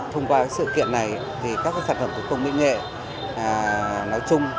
thông qua sự kiện này các sản phẩm thủ công mỹ nghệ nói chung